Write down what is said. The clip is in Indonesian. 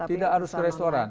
tidak harus ke restoran